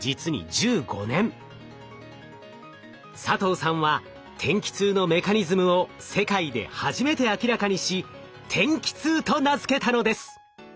佐藤さんは天気痛のメカニズムを世界で初めて明らかにし「天気痛」と名付けたのです。